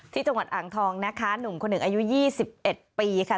ที่จังหวัดอ่างทองนะคะหนุ่มคนหนึ่งอายุ๒๑ปีค่ะ